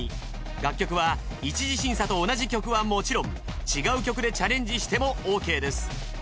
楽曲は一次審査と同じ曲はもちろん違う曲でチャレンジしてもＯＫです。